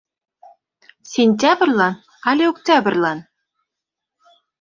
Сентябрьлан але октябрьлан?